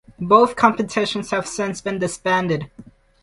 Both competitions have since been disbanded.